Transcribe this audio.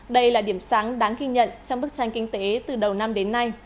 đây là điểm sáng đáng ghi nhận trong bức tranh kinh tế từ đầu năm đến nay